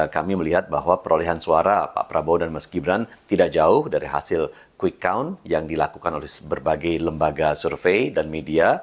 kami melihat bahwa perolehan suara pak prabowo dan mas gibran tidak jauh dari hasil quick count yang dilakukan oleh berbagai lembaga survei dan media